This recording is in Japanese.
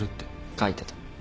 書いてた。